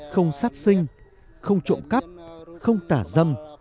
không sát sinh không trộm cắp không tả dâm